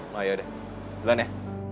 nah yaudah jalan ya